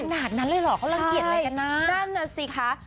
ขนาดนั้นเลยเหรอเขารังเกียจอะไรกันนะนั่นน่ะสิคะ